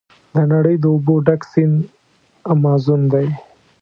د نړۍ د اوبو ډک سیند امازون دی.